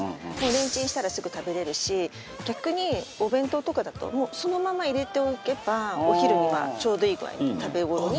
レンチンしたらすぐ食べられるし逆にお弁当とかだともうそのまま入れておけばお昼にはちょうどいい具合に食べ頃になっているっていう。